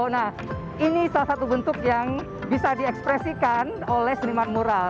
nah ini salah satu bentuk yang bisa diekspresikan oleh seniman mural